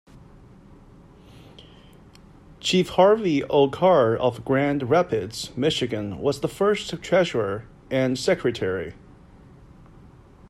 Chief Harvey O. Carr of Grand Rapids, Michigan, was the first treasurer and secretary.